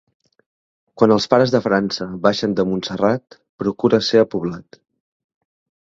Quan els pares de França baixen de Montserrat procura ser a poblat.